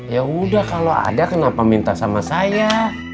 yaudah kalau ada kenapa minta sama saya